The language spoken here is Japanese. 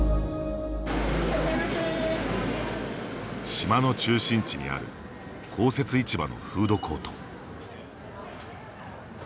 島の中心地にある公設市場のフードコート。